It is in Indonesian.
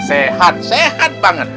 sehat sehat banget